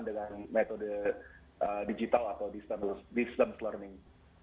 dengan metode digital atau disdom learning